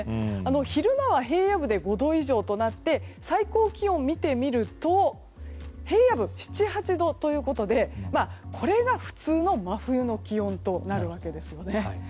昼間は平野部で５度以上となって最高気温を見てみると平野部、７８度ということでこれが普通の真冬の気温となるわけですよね。